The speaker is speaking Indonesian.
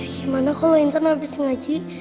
gimana kalau internal habis ngaji